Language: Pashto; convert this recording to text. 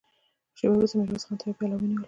شېبه وروسته يې ميرويس خان ته يوه پياله ونيوله.